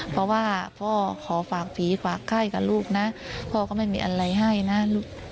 เพราะว่าพ่อขอฝากผีฝากไข้กับลูกนะพ่อก็ไม่มีอะไรให้นะลูก